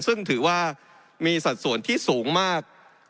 ซึ่งถือว่ามีสัดส่วนที่สูงมาก